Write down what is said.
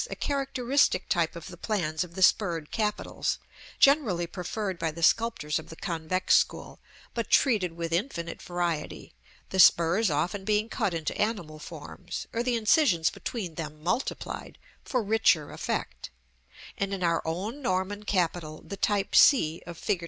a characteristic type of the plans of the spurred capitals, generally preferred by the sculptors of the convex school, but treated with infinite variety, the spurs often being cut into animal forms, or the incisions between them multiplied, for richer effect; and in our own Norman capital the type c of Fig.